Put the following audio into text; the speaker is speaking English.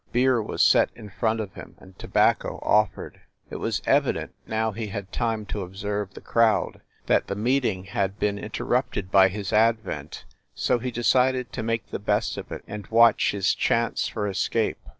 Beer was set in front of him, and tobacco offered. It was evident, now he had time to observe the crowd, that the meeting had been interrupted by his advent, so he decided to make the best of it and watch his chance for escape.